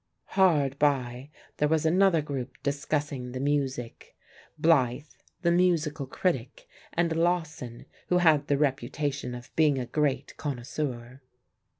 Hard by there was another group discussing the music: Blythe, the musical critic, and Lawson, who had the reputation of being a great connoisseur.